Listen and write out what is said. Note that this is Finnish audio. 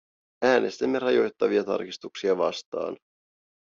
Äänestämme rajoittavia tarkistuksia vastaan.